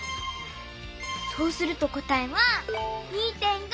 そうすると答えは２．５！